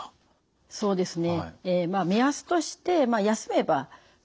そうですね。